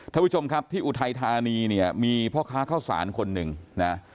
ท่านผู้ชมครับที่อุทัยธานีเนี่ยมีพ่อค้าข้าวสารคนหนึ่งนะ